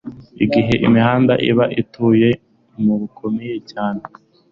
igihe, imihanda iba ubutayu bukomeye cyane